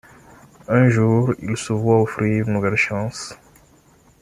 Un jour, il se voit offrir une nouvelle chance.